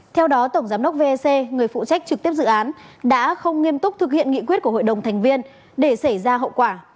theo đó tổng giám đốc vec người phụ trách trực tiếp dự án đã không nghiêm túc thực hiện nghị quyết của hội đồng thành viên để xảy ra hậu quả